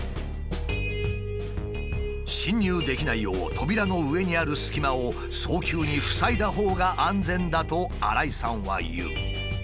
侵入できないよう扉の上にある隙間を早急に塞いだほうが安全だと新井さんは言う。